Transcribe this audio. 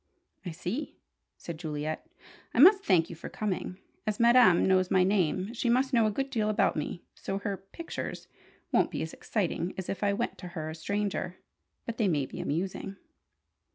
"I see," said Juliet. "I must thank you for coming. As Madame knows my name, she must know a good deal about me, so her 'pictures' won't be as exciting as if I went to her a stranger. But they may be amusing."